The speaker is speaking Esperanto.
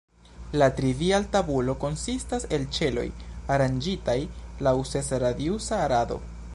La trivial-tabulo konsistas el ĉeloj aranĝitaj laŭ ses-radiusa rado.